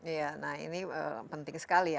ya ini penting sekali ya